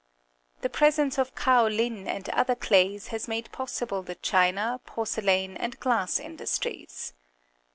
The presence of kaolin and other clan's has made possible the china, porcelain, and glass industries.